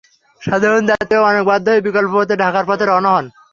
সাধারণ যাত্রীরা অনেক বাধ্য হয়ে বিকল্প পথে ঢাকার পথে রওনা হন।